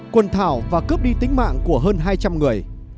quần thảo và cướp đi tính mạng của hơn hai trăm linh người